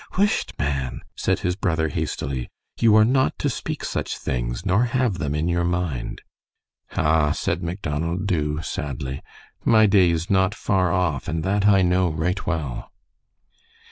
"Whisht, man," said his brother, hastily. "You are not to speak such things, nor have them in your mind." "Ah," said Macdonald Dubh, sadly, "my day is not far off, and that I know right well."